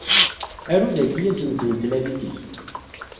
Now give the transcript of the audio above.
Aru dayi azemz n tlalit-ik.